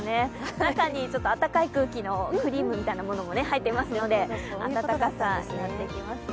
中にあったかい空気のクリームみたいなものも入っていますので暖かさ、やってきますよ。